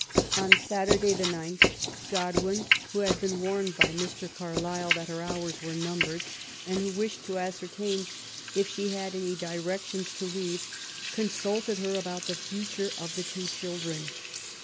On Saturday, the 9th, Godwin, who had been warned by Mr. Carlisle that her hours were numbered, and who wished to ascertain if she had any directions to leave, consulted her about the future of the two children.